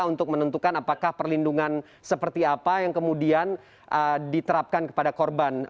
untuk menentukan apakah perlindungan seperti apa yang kemudian diterapkan kepada korban